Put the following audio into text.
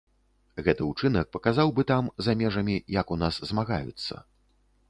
Гэты ўчынак паказаў бы там, за межамі, як у нас змагаюцца.